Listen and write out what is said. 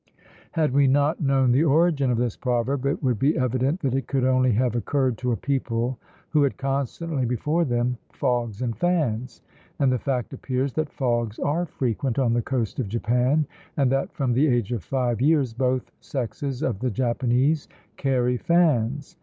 Had we not known the origin of this proverb, it would be evident that it could only have occurred to a people who had constantly before them fogs and fans; and the fact appears that fogs are frequent on the coast of Japan, and that from the age of five years both sexes of the Japanese carry fans.